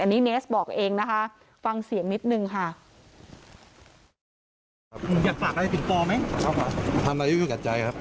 อันนี้เนสบอกเองนะคะฟังเสียงนิดนึงค่ะ